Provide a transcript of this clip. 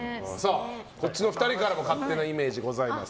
こっちの２人からも勝手なイメージございます。